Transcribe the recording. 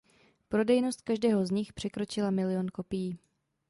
Prodejnost každého z nich překročila milion kopií.